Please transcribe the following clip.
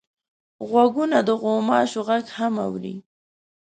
غوږونه د غوماشو غږ هم اوري